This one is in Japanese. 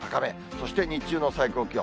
そして日中の最高気温。